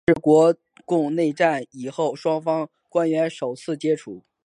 这是国共内战以后双方官员首次接触。